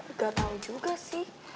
enggak tahu juga sih